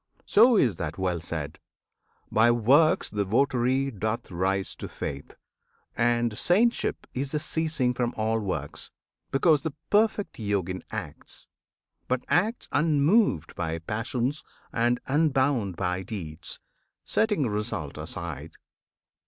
So is that well said: "By works the votary doth rise to faith, And saintship is the ceasing from all works; Because the perfect Yogin acts but acts Unmoved by passions and unbound by deeds, Setting result aside.